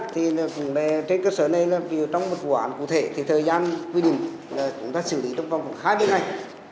thì cũng trên cơ sở này là trong một vụ án cụ thể thì thời gian quy định là chúng ta xử lý trong vòng khoảng hai mươi ngày